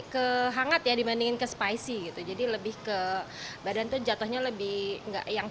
ke hangat ya dibandingin ke spicy gitu jadi lebih ke badan tuh jatuhnya lebih enggak yang